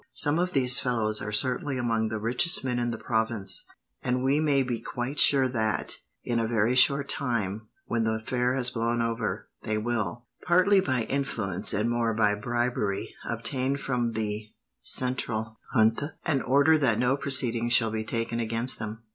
Some of these fellows are certainly among the richest men in the province, and we may be quite sure that, in a very short time, when the affair has blown over, they will, partly by influence and more by bribery, obtain from the central junta an order that no proceedings shall be taken against them.